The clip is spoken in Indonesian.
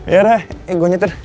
ya udah gue nyetir